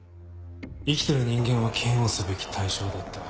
生きてる人間は嫌悪すべき対象だった。